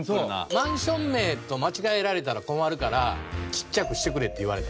マンション名と間違えられたら困るからちっちゃくしてくれって言われた。